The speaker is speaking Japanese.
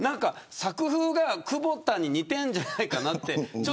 作風が久保田に似てるんじゃないかなと。